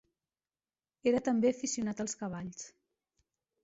Era també aficionat als cavalls.